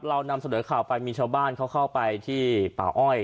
เรานำเสนอข่าวไปมีชาวบ้านเขาเข้าไปที่ป่าอ้อย